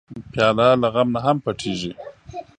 پیاله له غم نه هم پټېږي.